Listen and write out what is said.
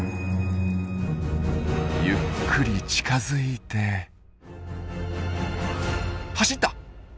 ゆっくり近づいて走った！